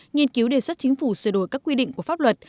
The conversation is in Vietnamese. nghiên cứu đề xuất chính phủ sửa đổi các quy định của pháp luật